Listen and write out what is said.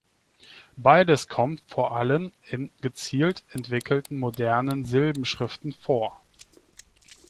Beides kommt vor allem in gezielt entwickelten modernen Silbenschriften vor.